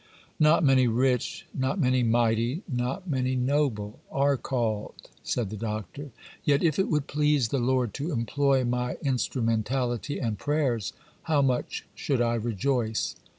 'Not many rich, not many mighty, not many noble are called,' said the Doctor. 'Yet, if it would please the Lord to employ my instrumentality and prayers, how much should I rejoice!